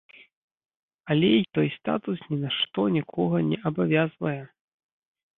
Але й той статус ні на што нікога не абавязвае!